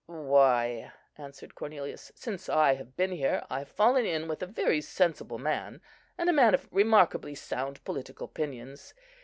"Why," answered Cornelius, "since I have been here, I have fallen in with a very sensible man, and a man of remarkably sound political opinions.